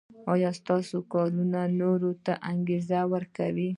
که ستاسو کارونه نورو ته دا انګېزه ورکړي.